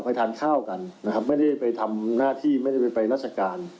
ไปทานข้าวกันนะครับไม่ได้ไปทำหน้าที่ไม่ได้ไปราชการ